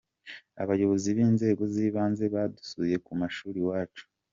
abayobozi b'inzego zibanze badusuye kumashuri iwacu.